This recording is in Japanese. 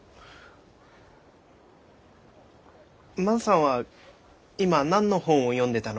万さんは今何の本を読んでたの？